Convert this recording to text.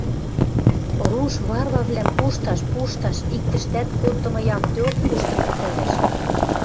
Руш варварвлӓм пушташ, пушташ, иктӹштӓт коддымы яктеок пуштын пӹтӓрӓш...